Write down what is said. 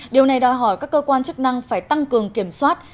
điều này đòi hỏi các cơ quan chức năng phải tăng cường kiểm soát